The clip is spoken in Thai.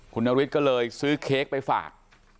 คุณนฤทธิก็เลยซื้อเค้กไปฝาก